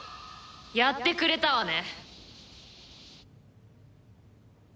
やってくれたわね。